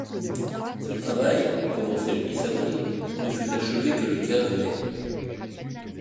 Ce travail, commencé le dix avril, ne fut achevé que le quinze mai.